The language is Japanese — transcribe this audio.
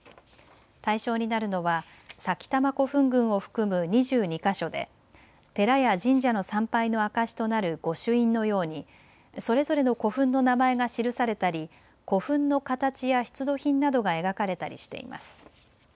対象になるのは埼玉古墳群を含む２２か所で寺や神社の参拝の証しとなる御朱印のようにそれぞれの古墳の名前が記されたり古墳の形や出土品などが描かれたりしています。